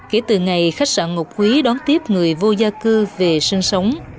kể từ ngày khách sạn ngọc quý đón tiếp người vô gia cư về sân sống